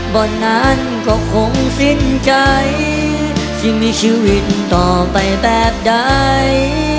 บ่นานก็คงสิ้นใจจะมีชีวิตต่อไปแบบใด